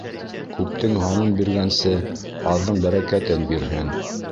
Күптең һанын биргәнсе, аҙҙың бәрәкәтен бирһен.